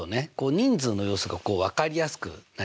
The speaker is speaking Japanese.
人数の様子が分かりやすくなりますね。